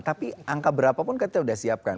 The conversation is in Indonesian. tapi angka berapa pun kita sudah siapkan